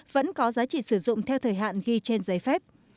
vẫn có giá trị sử dụng theo thời hạn ghi trên giấy phép